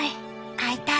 会いたい